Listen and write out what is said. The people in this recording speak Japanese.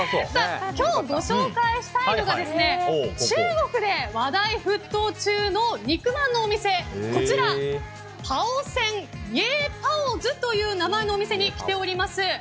今日ご紹介したいのが中国で話題沸騰中の肉まんのお店パオセンイェーパオズという名前のお店に来ております。